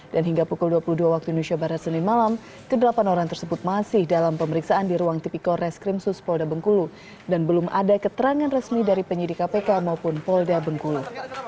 dan hingga pukul dua puluh dua waktu indonesia barat senin malam kedelapan orang tersebut masih dalam pemeriksaan di ruang tipikor reskrim suspolda bengkulu dan belum ada keterangan resmi dari penyidik kpk maupun polda bengkulu